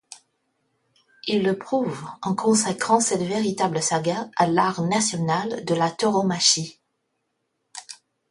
Il le prouve en consacrant cette véritable saga à l'art national de la tauromachie.